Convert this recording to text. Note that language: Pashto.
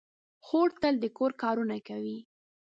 خور تل د کور کارونه کوي.